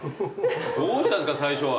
どうしたんですか最初は？